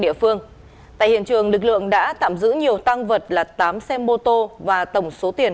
địa phương tại hiện trường lực lượng đã tạm giữ nhiều tăng vật là tám xe mô tô và tổng số tiền